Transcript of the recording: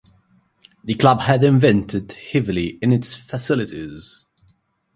The club has invested heavily in its facilities.